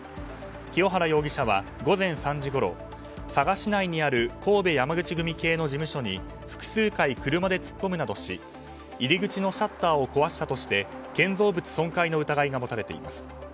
清原容疑者は午前３時ごろ佐賀市内にある神戸山口組系の事務所に複数回、車で突っ込むなどし入り口のシャッターを壊したとして建造物損壊の疑いが持たれています。